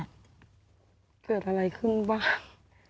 เกิดอะไรขึ้นบ้าง